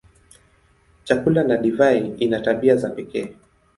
Chakula na divai ina tabia za pekee.